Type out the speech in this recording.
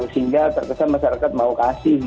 sehingga terkesan masyarakat mau kasih